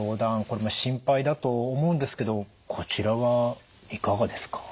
これも心配だと思うんですけどこちらはいかがですか？